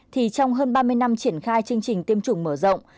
thì trong hơn ba mươi năm triển khai chương trình tiêm chủng mở rộng